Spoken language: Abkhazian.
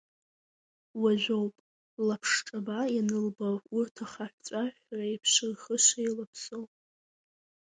Уажәоуп лаԥшҿаба ианылба урҭ ахаҳәҵәаҳә реиԥш рхы шеилаԥсоу…